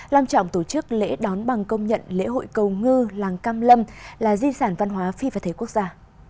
làm trọng tổ chức lễ đón bằng công nhận lễ hội cầu ngư làng cam lâm là di sản văn hóa phi và thế quốc gia